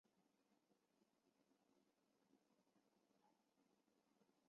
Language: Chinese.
饰石杜鹃为杜鹃花科杜鹃属下的一个种。